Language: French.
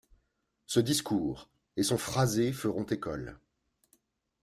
Ce discours et son phrasé feront école.